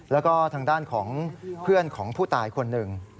แล้วก็ทางด้านของเพื่อนของผู้ตายคนหนึ่ง